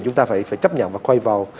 chúng ta phải chấp nhận và quay vào